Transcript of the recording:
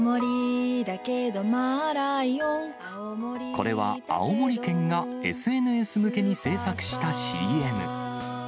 これは、青森県がＳＮＳ向けに制作したＣＭ。